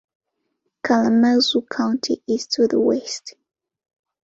Kalamazoo County is to the west.